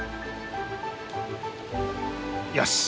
よし！